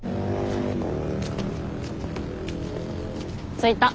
着いた。